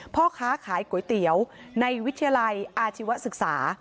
พ่อค้าขายก๋วยเตี๋ยวในวิทยาลัยอาชีวศึกษา